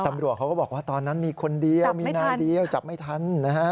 ตำรวจเขาก็บอกว่าตอนนั้นมีคนเดียวมีนายเดียวจับไม่ทันนะฮะ